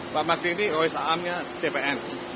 pak magdir ini rusa amnya tpn